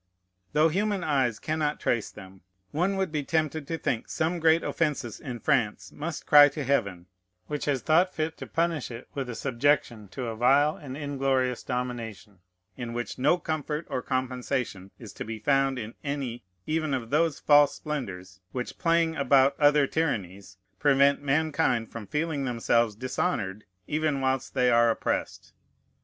Though human eyes cannot trace them, one would be tempted to think some great offences in France must cry to Heaven, which has thought fit to punish it with a subjection to a vile and inglorious domination, in which no comfort or compensation is to be found in any even of those false splendors which, playing about other tyrannies, prevent mankind from feeling themselves dishonored even whilst they are oppressed.